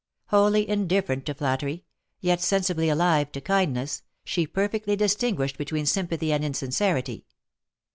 Wholly indifferent to flattery, yet sensibly alive to kindness, she perfectly distinguished between sympathy and insincerity.